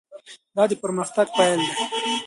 دا د پرمختګ پیل دی.